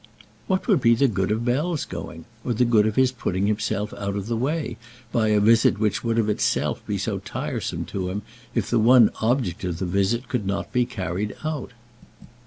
What would be the good of Bell's going or the good of his putting himself out of the way, by a visit which would of itself be so tiresome to him, if the one object of the visit could not be carried out?